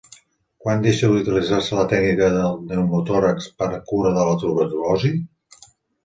Quan va deixar d'utilitzar-se la tècnica del pneumotòrax per cura la tuberculosi?